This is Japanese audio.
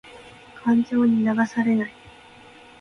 感情に流されない。